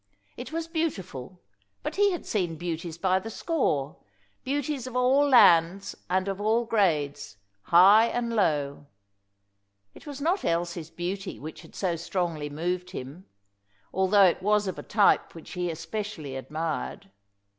It was beautiful, but he had seen beauties by the score; beauties of all lands and of all grades, high and low. It was not Elsie's beauty which had so strongly moved him, although it was of a type which he especially admired.